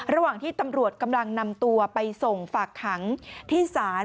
ระหว่างที่ตำรวจกำลังนำตัวไปส่งฝากขังที่ศาล